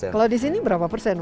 kalau di sini berapa persen